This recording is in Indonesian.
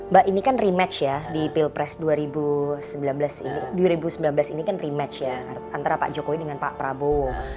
mbak ini kan rematch ya di pilpres dua ribu sembilan belas ini kan rematch ya antara pak jokowi dengan pak prabowo